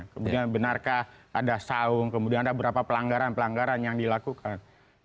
kemudian benarkah ada saung kemudian ada berapa pelanggaran pelanggaran yang dilakukan